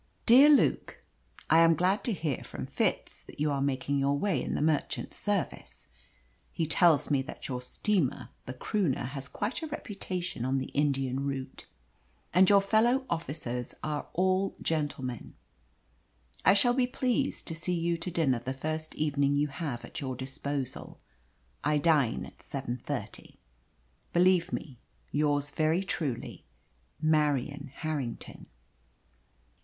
"DEAR LUKE, I am glad to hear from Fitz that you are making your way in the Merchant Service. He tells me that your steamer, the Croonah, has quite a reputation on the Indian route, and your fellow officers are all gentlemen. I shall be pleased to see you to dinner the first evening you have at your disposal. I dine at seven thirty. Believe me, yours very truly, MARIAN HARRINGTON.